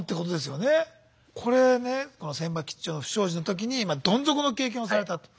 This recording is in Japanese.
これねこの船場兆の不祥事の時にまあどん底の経験をされたと。